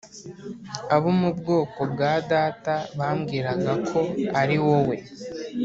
abo mu bwoko bwa data bambwiraga ko ari wowe